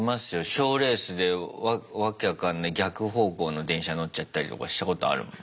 賞レースで訳分かんない逆方向の電車乗っちゃったりとかしたことあるもん。